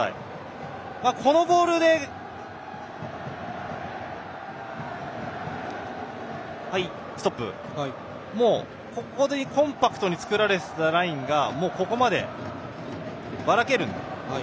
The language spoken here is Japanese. このボールでもうここでコンパクトに作られていたラインがここまでばらける。